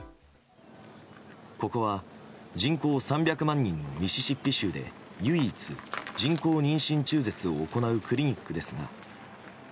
ここは人口３００万人のミシシッピ州で唯一、人工妊娠中絶を行うクリニックですが。